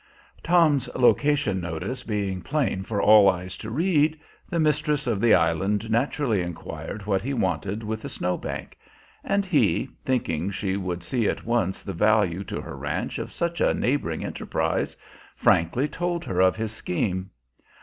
Tom's location notice being plain for all eyes to read, the mistress of the island naturally inquired what he wanted with the Snow Bank; and he, thinking she would see at once the value to her ranch of such a neighboring enterprise, frankly told her of his scheme.